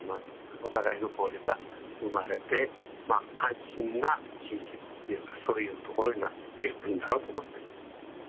お互いの交流が生まれて安心な地域というかそういうところになっていくんだろうと思ってます。